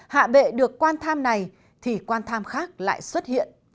hạ bệ được quan tham này thì quan tham khác lại xuất hiện v v